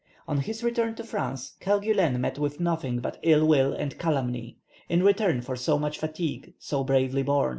On his return to France, Kerguelen met with nothing but ill will and calumny, in return for so much fatigue, so bravely born.